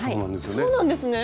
そうなんですね。